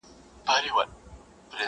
زموږ په لمبه به پردۍ شپې روڼېږي!!